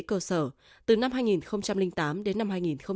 cơ sở từ năm hai nghìn tám đến năm hai nghìn một mươi